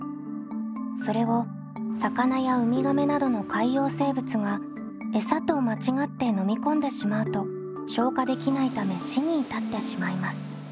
それを魚やウミガメなどの海洋生物が餌と間違って飲み込んでしまうと消化できないため死に至ってしまいます。